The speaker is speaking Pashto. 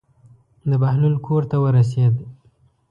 د بهلول کور ته ورسېد.